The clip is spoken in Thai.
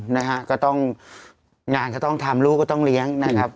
งานก็ต้องทำลูกก็ต้องเลี้ยงนะครับ